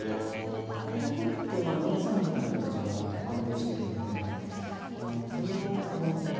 歩で取って４三銀っていう形が安定してるのでそれを選んでくるかもしれませんね。